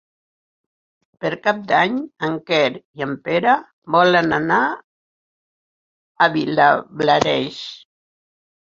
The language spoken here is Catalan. Per Cap d'Any en Quer i en Pere volen anar a Vilablareix.